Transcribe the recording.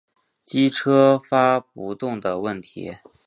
机车发不动的问题